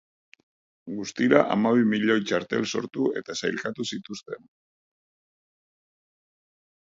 Guztira hamabi milioi txartel sortu eta sailkatu zituzten.